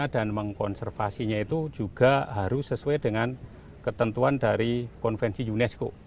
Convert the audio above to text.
dan mengkonservasinya itu juga harus sesuai dengan ketentuan dari konvensi unesco